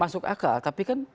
masuk akal tapi kan